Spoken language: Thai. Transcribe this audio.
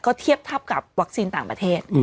เทียบเท่ากับวัคซีนต่างประเทศ